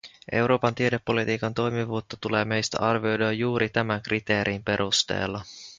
Euroopan tiedepolitiikan toimivuutta tulee meistä arvioida juuri tämän kriteerin perusteella.